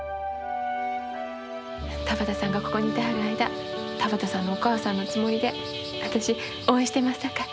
田畑さんがここにいてはる間田畑さんのお母さんのつもりで私応援してますさかい。